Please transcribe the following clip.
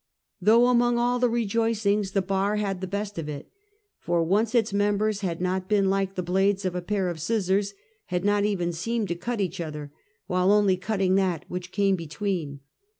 Though, among all the rejoicings, the Bar had the best of it. For once its members had not been like the blades of a pair of scissors; had not even seemed to cut each other, while only cutting that which came between.